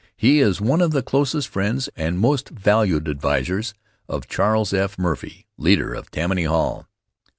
He is one of the closest friends and most valued advisers of Charles F. Murphy, leader of Tammany Hall.